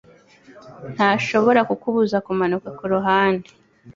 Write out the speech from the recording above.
ntashobora kukubuza kumanuka kuruhande